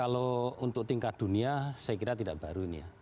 kalau untuk tingkat dunia saya kira tidak baru ini ya